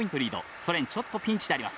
ソ連ちょっとピンチであります。